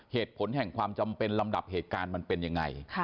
เหตุผลแห่งความจำเป็นลำดับเหตุการณ์มันเป็นยังไง